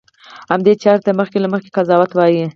همدې چارې ته مخکې له مخکې قضاوت وایي.